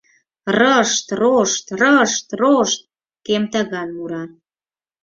Рышт-рошт, рышт-рошт! — кем таган мура.